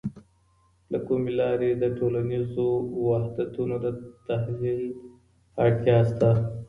له کومې لاري د ټولنیزو وحدتونو د تحلیل اړتیا سته؟